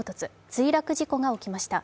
墜落事故が起きました。